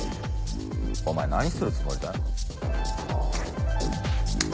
お前何するつもりだ？